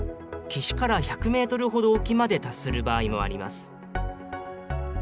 岸から１００メートルほど沖まで達する場合もあります。